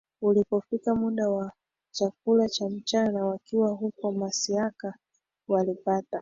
Ulipofika muda wa chakula cha mchana wakiwa huko Masiaka walipata